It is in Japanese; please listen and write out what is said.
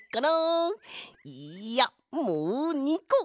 いいやもう２こ。